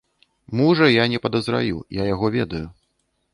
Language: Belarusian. Мужа я не падазраю, я яго ведаю.